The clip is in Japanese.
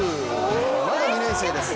まだ２年生です